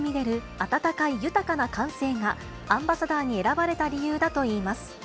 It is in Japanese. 温かい豊かな感性が、アンバサダーに選ばれた理由だといいます。